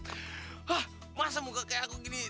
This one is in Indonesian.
hah masa muka kayak aku gini